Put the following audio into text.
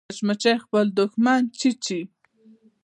مچمچۍ خپل دښمن چیچي